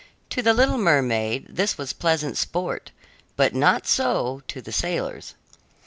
To the little mermaid this was pleasant sport; but not so to the sailors.